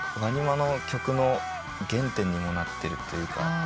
ＷＡＮＩＭＡの曲の原点にもなってるというか。